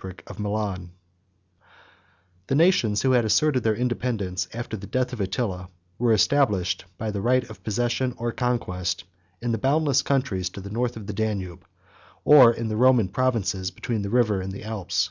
] The nations who had asserted their independence after the death of Attila, were established, by the right of possession or conquest, in the boundless countries to the north of the Danube; or in the Roman provinces between the river and the Alps.